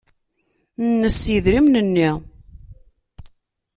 Nnes yidrimen-nni.